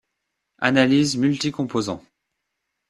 Analyses multicomposants.